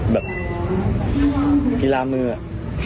แบบกีฬามืออะ